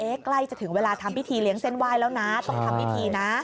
ใกล้จะถึงเวลาทำพิธีเลี้ยงเส้นไหว้แล้วนะต้องทำพิธีนะ